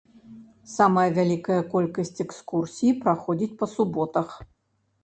Самая вялікая колькасць экскурсій праходзіць па суботах.